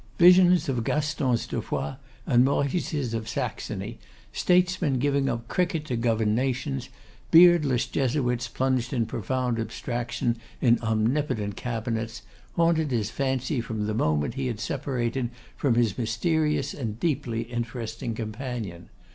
Visions of Gastons de Foix and Maurices of Saxony, statesmen giving up cricket to govern nations, beardless Jesuits plunged in profound abstraction in omnipotent cabinets, haunted his fancy from the moment he had separated from his mysterious and deeply interesting companion.